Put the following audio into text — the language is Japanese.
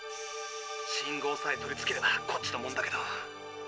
信号さえ取り付ければこっちのもんだけど。